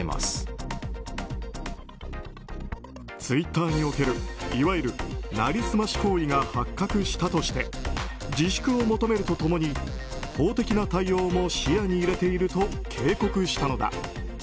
ツイッターにおけるいわゆる成り済まし行為が発覚したとして自粛を求めると共に法的な対応も視野に入れていると警告したのだ。